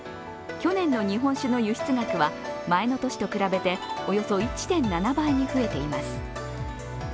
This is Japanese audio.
去年の日本酒の輸出額は前の年と比べておよそ１．７倍に増えています。